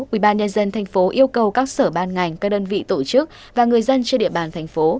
ubnd tp yêu cầu các sở ban ngành các đơn vị tổ chức và người dân trên địa bàn thành phố